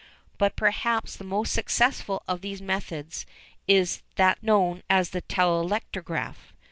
But perhaps the most successful of these methods is that known as the telectrograph.